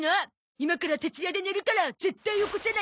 今から徹夜で寝るから絶対起こさないでね。